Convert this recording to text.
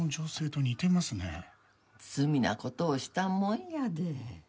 罪な事をしたもんやで。